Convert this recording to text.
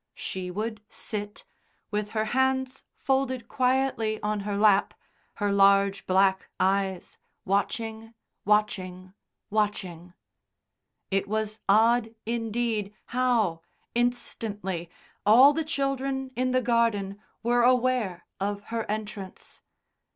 She would sit, with her hands folded quietly on her lap, her large black eyes watching, watching, watching. It was odd, indeed, how, instantly, all the children in the garden were aware of her entrance.